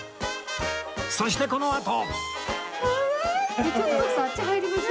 そしてこのあと